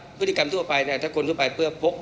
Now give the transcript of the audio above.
มีการที่จะพยายามติดศิลป์บ่นเจ้าพระงานนะครับ